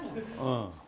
うん。